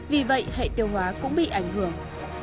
vì vậy hệ tiêu hóa cũng bị ảnh hưởng